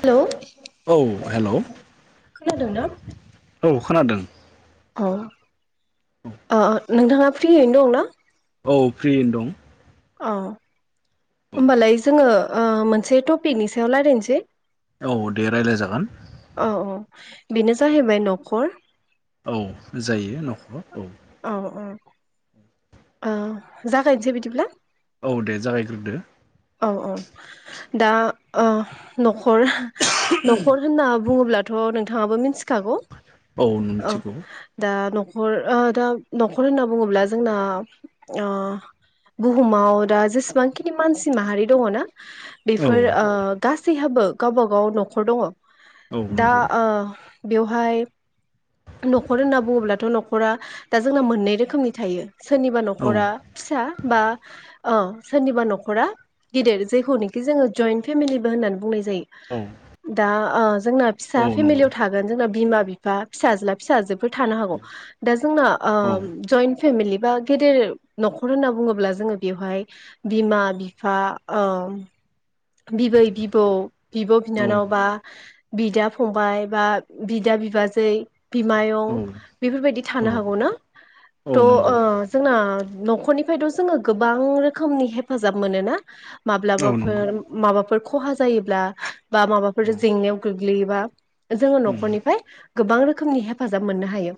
Hello औ hello खोनादोंना? औ खोनादों। औ ओ नोंथाङा फ्रियैनो दंना? औ फ्रियैनो दं। अ औ होमबालाय जोङो ओ मोनसे टपिकनि सायाव रायज्लायनोसै। औ दे रायज्लाय जागोन। औ औ बेनो जाहैबाय न'खर। औ जायो न'खराव औ। ओ जागायनोसै बिदिब्ला? औ दे जागायग्रोदो औ औ दा ओ न'खर न'खर होनना बुङोब्लाथ' नों थाबो मिथि खागौ औ नों औ मिथिगौ दा न नखर ओ दा न'खर होनना बुङोब्ला जोंना ओ बुहुमाव दा जेसेबांखिनि मानसि माहारि दङ ना? औ बेफोर ओ गासैहाबो गावबागाव नखर दङ। औ दा नंगौ ओ बेवहाय न'खर होनना बुङोब्लाथ' न'खरा दा जोंना मोननै रोखोमनि थायो। सोरनिबा औ न'खरा फिसा बा अ सोरनिबा न'खरा गिदिर जायखौनोखि जोङो जयन्ट फेमिलिबो होननानै बुंनाय औ दा ओ जोंना फिसा औ नंगौ फेमिलियाव थागोन जोंना बिमा-बिफा फिसाज्ला फिसाजो बो थानो हौ दा जोंना ओ औ जयेन्ट फेमिलि बा गेदेर न'खर होनना बुङोब्ला जोङो बेवहाय बिमा बिफा ओम बिबै बिबौ बिब बिनानाव बा बिदा फंबाय बा बिदा बिबाजै बिमायं औ बेफोरबायदि थानो हागौ ना औ थ नंगौ ओ जोंना नखरनिफायथ जोङो गोबां रोखोमनि हेफाजाब मोनोना? औ नंगौ औ माब्लाबाफोर माबाफोर खहा जायोब्ला बा माबाफोर जेंनायाव गो गोलैयोबा जोङो उम औ नखरनिफाय गोबां रोखोमनि हेफाजाब मोननो हायो।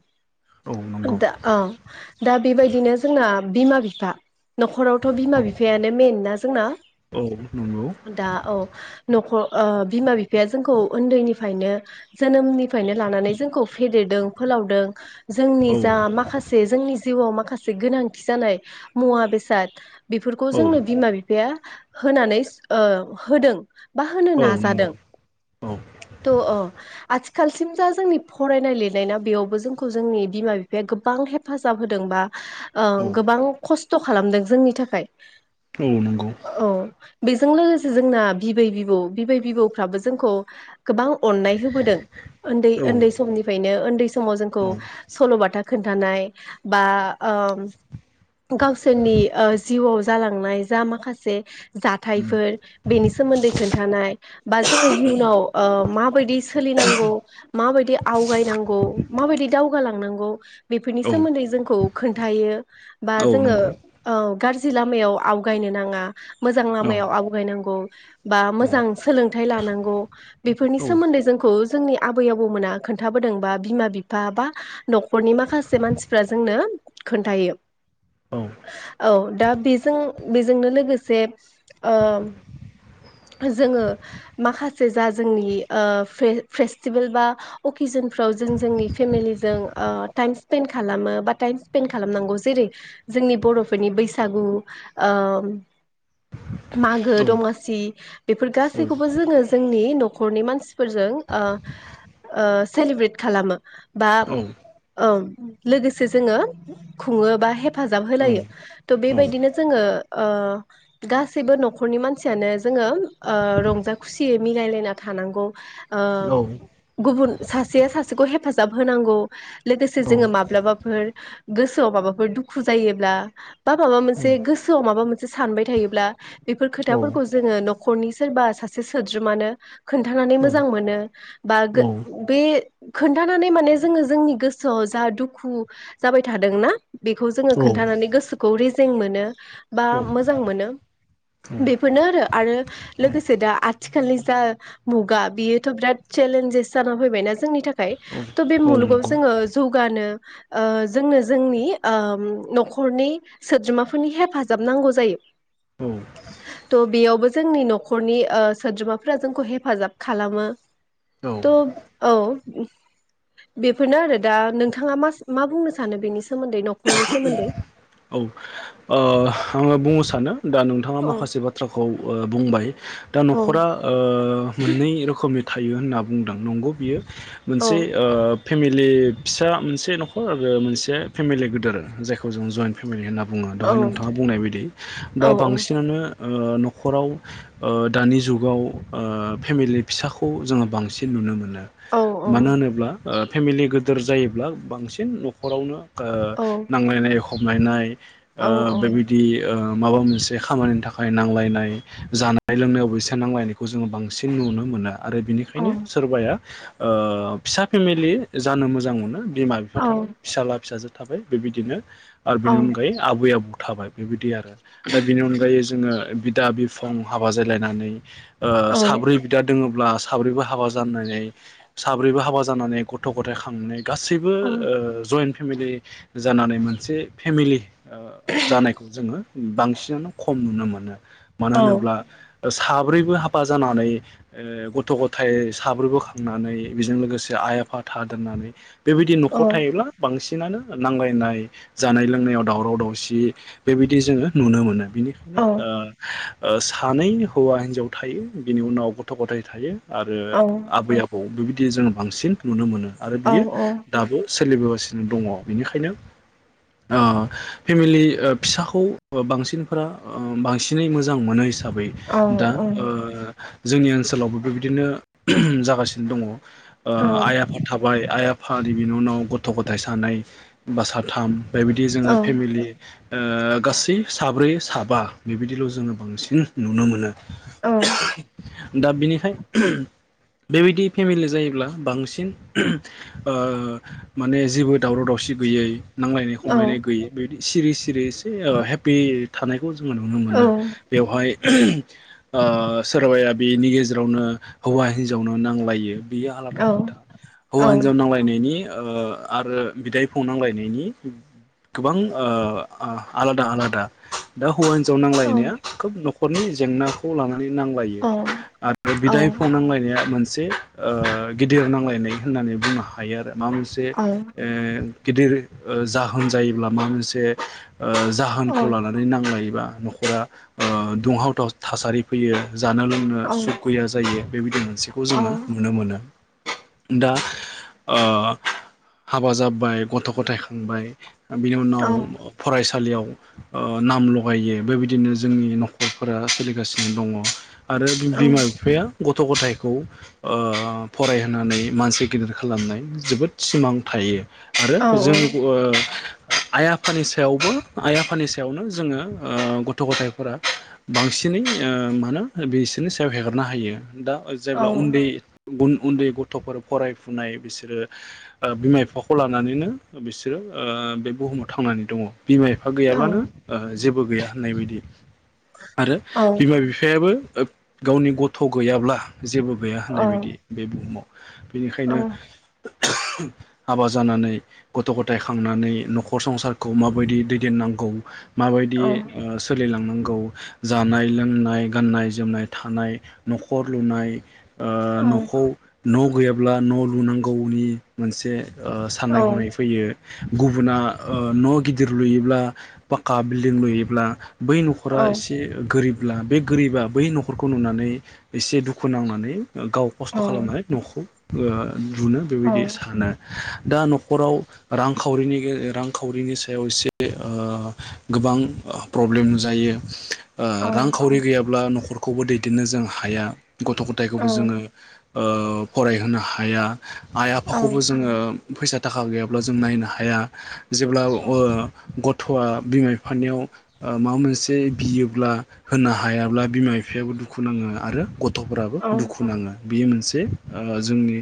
नंगौ दा औ दा बेबायदिनो जोंना बिमा बिफा नखरावथ बिमा औ बिफायानो मेन ना जोंना? औ नंगौ दा औ नख ओ बिमा बिफाया जोंखौ उन्दैनिफ्रायनो जोनोमनिफ्रायनो लानानै जोंखौ फेदेरदों फोलावदों जोंनि औ जा माखासे जोंनि जिउवाव माखासे गोनांथि जानाय मुवा बेसाद बेफोरखौ औ जोंनो बिमा बिफाया होनानैस ओ होदों बा होनो औ नाजादों नंगौ औ थ ओ आथि खालसिम जा जोंनि फरायनाय लिरनाय ना बेयावबो जोंखौ जोंनि बिमा बिफाया गोबां हेफाजाब होदोंबा ओ औ गोबां खस्थ थ खालामदों जोंनि थाखाय औ नंगौ जों लोगोसे जोंना बिबै बिबौ बिबै बिबौफ्राबो जोंखौ गोबां अननाय होबोदों उन्दै औ उन्दै समनिफ्रायनो उन्दै समाव जोंखौ औ सल बाथा खोन्थानाय बा ओम गावसोरनि ओ जिउवाव जालांनाय जा माखासे जा उम थायफोर बेनि सोमोन्दै खोन्थानाय बा जोङो इयुनाव ओ माबायदि सोलिनांगौ माबायदि आवगायनांगौ माबायदि दाव गुवालांनांगौ बेफोरनि औ सोमोन्दै जोंखौ खोन्थायो बा औ जोङो नंगौ ओ गारजि जि लामायाव आवगायनो नाङा मोजा मायाव आवगायनांगौ [inaudible] बा औ मोजां सोलोंथाइ लानांगौ बेफोरनि औ औ सोमोन्दै जोंखौ जोंनि आबै आबौमोना खोन्थाबोदों बा बिमा बिफा बा न'खरनि माखासे मानसिफ्रा जोंनो खोन्थायो औ औ दा बेजों बेजोंनो लोगोसे ओ जोङो माखासे जा जोंनि ओ फेस्टिभेल बा अकेजनफ्राव जों जोंनि फेमिलिजों ओ टाइम स्पेन्ड खालामो बा टाइम स्पेन्ड खालामनांगौ जेरै- जोंनि बर'फोरनि बैसागु ओ मागो औ दमासि बेफोर औ गासैखौबो जोङो जोंनि न'खरनि मानसिफोरजों ओ ओ सेलेब्रेट खालामो बा औ ओं लोगोसे जोङो खुङो बा हे फाजाब औ होलायो थ' बेबायदिनो जोङो ओ गासैबो न'खरनि मानसियानो जोङो ओ रंजा खुसियै मिलायलायना थानांगौ ओ गुबुन सासेया सासेखौ हेफाजाब होनांगौ लोगोसे औ जोङो माब्लाबाफोर गोसोआव माबाफोर दुखु जायोब्ला बा माबा मोनसे गोसोआव माबा मोनसे सानबाय थायो ब्ला बेफोर खोथाफोरखौ जोङो न'खरनि सोरबा सासे सोद्रोमानो खोन्थानानै मोजां मोनो बा गो बे खोन्थानानै माने जोङो जोंनि गोसोआव जा दुखु जाबाय थादोंना बेखौ जोङो खोन्थानानै गोसोखौ रेज जें मोनो बा औ औ मोजां मोनो बेफोरनो आरो आरो लोगोसे दा आथि खालनि जा मुगा बियोथ' बिराद चेलेन्जेस जाना फैबायना जोंनि था खाय औ थ' बे मुलुगाव नंगौ जोङो जौगानो ओ जोंनो जोंनि ओ न'खरनि सोद्रोमाफोरनि हेफाजाब नांगौ जायो। थ' बेयावबो जोंनि न'खरनि ओ सोद्रोमाफोरा जोंखौ हेफाजाब खालामो। त' औ बेफोरनो आरो दा नोंथाङा मा मा बुंनो सानो बेनि सोमोन्दै न' [unintelligible] औ ओ आङो बुंनो सानो दा नोंथाङा औ माखासे बाथ्राखौ ओ बुंबाय दा औ न'खरा ओ मोननै रोखोमनि थायो होनना बुंदों नंगौ बियो। औ मोनसे ओ फेमिलि फिसा मोनसे न'खर आरो मोनसे फेमिलि गो आरो जायखौ जों जइन फेमिलि होनना बुङो औ दहाय नोंथाङा बुंनाय बायदि दा औ बांसिनानो ओ न'खराव ओ दानि जुगाव ओ फेमिलि फिसाखौ जोङो बांसिन नुनो मोनो। औ मानो होनोब्ला ओ फेमिलि गोदोर जायोब्ला बांसिन न'खरावनो ओ नै [unintelligible] नाय ओ औ बेबायदि ओ माबा मोनसे खामानिनि थाखाय नांलायनाय जानाय लोंनायावबो एसे नांलायनायखौ जोंङो बांसिन नुनो मोनो। आरो बिनिखायनो सोरबाया ओ फिसा फेमिलि जानो मोजां मोनो। बिमा बिफा औ थाबाय फिसाला फिसाजो थाबाय बेबिदिनो ओ बेनि औ अनगायै आबै आबौ थाबाय बेबायदि आरो दा बेनि अनगायै जोंङो बिदा बिफं हाबा जालायनानै ओ साब्रै बिदा दोङो अब्ला साब्रैबो हाबा जानानै साब्रैबो हाबा जानानै गथ' गथाय खांनै गासैबो ओ जयेन फेमिलि जानानै मोनसे फेमिलि ओ जानायखौ जोंङो बांसिनानो खम नुनो मोनो। मानो होनोब्ला साब्रैबो हाबा जानानै ओ गथ' गथाय साब्रैबो खांनानै बेजों लोगोसे आइ आफा थादोनानै बेबायदि न'खर थायोब्ला बांसि [unintelligible] नानो नांलायनाय जानाय लोंनायाव दावराव दावसि बेबायदि जोंङो नुनो मोनो। बिनिखायनो ओ ओ सानै हौवा हिन्जाव थायो बिनि उनाव गथ' गथाय थायो। आरो आबै आबौ बि बिदि जोंङो बांसिन नुनो मोनो। आरो बियो दाबो सोलिबोगासिनो दङ। बेनिखायनो ओ फेमिलि फिसाखौ बांसिनफोरा ओ बांसिनै मोजां मोनोसै साबै दा ओ जोंनि ओनसोलावबो बेबायदिनो ओहोम जागासिनो दङ। ओ आइ आफा थाबाय आइ आफा बिनि उनाव गथ' गथाय सानै बा साथाम। बेबायदि जोङो फेमिलि। ओ गासै साब्रै साबा बेबायदिल' जोङो बांसिन नुनो मोनो। दा बिनिखाय बेबायदि फेमिलि जायोब्ला बांसिन ओ माने जेबो। दावराव दावसि गैयै। नांलायनाय खमलायनाय गैयै बेदि। सिरि सिरि एसे ओ हेपि थानाय। खौ जोङो नुनो मोनो बेवहाय ओ सोरबाया बेनि गेजेरावनो हौवा हिनजावनो नां बायो बियो आलादा खोथा हौवा हिनजाव नांलायनायनि ओ आरो बिदायफ नांलायनायनि गोबां ओ आलादा आलादा दा हौवा हिनजाव नांलायनाया खोब न न'खरनि जेंनाखौ लानानै। नांलायो आरो बिदा बिफां नांलायनाया मो मोनसे ओ गिदिर नांलायनाय होननानै बुंनो हायो आरो। [unintelligible] गिदिर ओ जाहोन जायोब्ला माबा मोनसे। ओ जाहोनखौ लानानै नांलायोबा। न'खरा ओ दुंहावथाव थासारि फैयो। जानो लोंनो सुख गैया जायो बेबायदि मोनसेखौ जोङो नुनो मोनो। दा ओ। हाबा जाबाय गथ' गथाय खांबाय। बिनि उनाव फरायसा सालियाव ओ नाम लगायो बेबायदिनो जोंनि न'खरफोरा सोलिगासिनो दङ। आरो बिमा बिफाया। गथ' गथाइखौ ओ फरायहोनानै मानसि गिदिर खालामनाय जोबोद सिमां। थायो। आरो जों ओ आइ आफानि सायावबो आइ आफानि सायावनो जोङो ओ गथ' गथायफोरा बांसिनै ओ मा होनो बिसोरनि सायाव हेगारना होयो। दा जायब्ला उन्दै उन्दै गथ'फोर फरायफुनाय बिसोरो। ओ बिमा बिफाखौ लानानैनो बिसोरो ओ बे बुहुमाव थांनानै दङ। बिमा बिफा गैयाब्लानो ओ जे बो गैया होननाय बायदि। आरो बिमा बिफायाबो। गावनि गथ' गैयाब्ला । जेबो गैया होननाय बायदि, बे बुहुमाव बेनिखायनो [unintelligible] हाबा जानानै गथ' गथाय खांनानै न'खर संसारखौ माबायदि दैदेननांगौ। माबायदि ओ सोलिलांनांगौ? गाव जानाय लोंनाय गाननाय जोमनाय थानाय, न'खर लुनाय, ओ न'खौ न' गैयाब्ला न' लुनांगौनि मोनसे ओ साननाय हनाय फैयो। गुबुना ओ न' गिदिर लुयोब्ला पाक्का बिल्डिं लुयोब्ला बै न'खरा एसे गोरिब अब्ला बे गोरिबा बै न'खरखौ नुनानै एसे दुखु नांनानै गाव खस्थ' खालामनानै न'खौ ओ लुनो बेबायदि दा न'खराव, रांखावरिनि रांखावरिनि सायाव एसे ओ गोबां प्रब्लेम नुजायो। ओ रांखावरि गैयाब्ला नख न'खरखौबो दैदेननो जों हाया गथ' गथायखौबो जोङो ओ फरायहोनो हाया । आय खौबो जोङो फैसा थाखा गैयाब्ला जों नायनो हाया जेब्ला ओ ग थ'आ बिमा बिफानियाव ओ माबा मोनसे बियोब्ला होनो हायाब्ला बिमा बिफायाबो दुखु नाङो आरो गथ'फोराबो दुखु नाङो। बियो मोनसे ओ जोंनि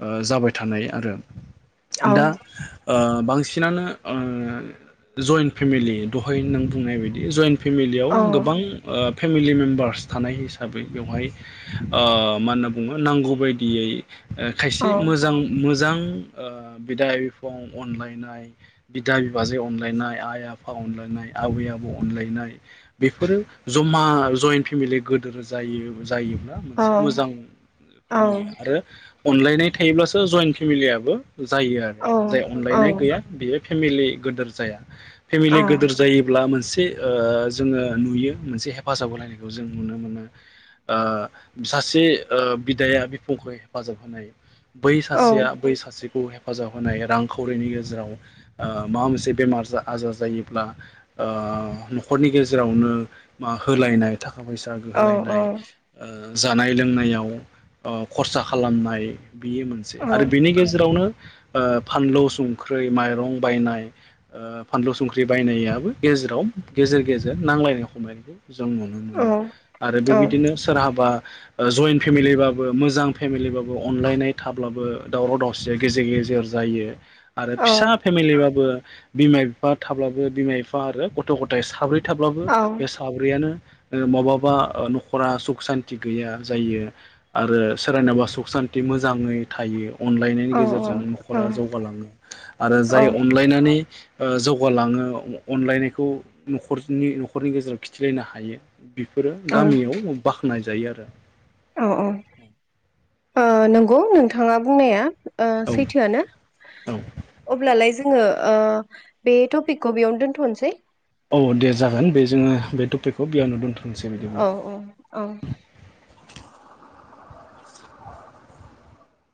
ओ जाबाय थानाय आरो दा ओ बांसिनानो ओ जइन्ट फेमिलि दहाय नों बुंनाय बायदि जइन्ट फेमिलियाव गोबां ओ फेमिलि मेम्बार्स थानाय हिसाबै बेवहाय, ओ मा होनना बुङो नांगौ बायदियै ओ खायसे मोजां मोजां, ओ बिदा बिफं अनलायनाय, बिदा बिबाजै अनलायनाय, आइ आफा अनलायनाय, आबै आबौ अनलायनाय बेफोरो जमा जइन्ट फेमिलि गोदोर जायो। जायोब्ला मोनसे मोजां नुयो आरो अनलायनाय थायोब्ला जइन्ट फेमिलियबो जायो औ आरो जाय अनलायनाय गैया बेयो फेमिलि गोदोर जाया। फेमिलि गोदोर जायोब्ला मोनसे ओ जोङो नुयो मोनसे हेफाजाब होलायनायखौ जों नुनो मोनो ओ सासे ओ बिदाया बिफंखौ हेफाजाब होनाय। बै सासेया बै सासेखौ हेफ फाजाब होनाय रांखावरिनि गेजेराव ओ माबा मोनसे बेमार आजार जायोब्ला ओ न'खरनि गेजेरावनो मा होलायनाय थाखा फैसा गोहोलायनाय ओ जानाय लोंनायाव ओ खरसा खालामनाय। बियो मोनसे आरो बिनि गेजेरावनो ओ फानलु, संख्रै, माइरं बायनाय ओ फानलु, संख्रि बायनायाबो गेजेराव गेजेर गेजेर नांलायनाय हमलाय जों नुनो मोनो आरो बेबायदिनो सोरहाबा ओ जयेन्थ फेमिलिबाबो मोजां फेमिलिबाबो अ अनलायनाय थाब्लाबो दावराव दावसिया गेजेर गेजेर जायो। आरो फिसा फेमिलि बाबो बिमा बिफा थाब्लाबो बिमा बिफा आरो गथ' गथाय साब्रै थाब्लाबो औ बे साब्रैयानो ओ माबाबा ओ न'खरा सुख सान्ति गैया जायो आरो सोरानावबा सुख सान्त ति मोजाङै थायो। अनलायनायनि गेजेरजों न'खरा जौगालाङो आरो जाय औ औ अनलायनानै ओ जौगालाङो अनलायनायखौ न'खरनि न'खरनि गेजेराव खिथिलायनो हायो। बेफोरो गामियाव बाख्नाय जायो आरो दा ओ ओ नंगौ नोंथाङा बुंनाया। ओ औ सैथोआनो औ अब्लालाय जों आङो ओ बे टपिकखौ बेयावनो दोनथ'नोसै। औ दे जागोन बे जोङो बे टपिकखौ बियावनो दोनथ' औ अ औ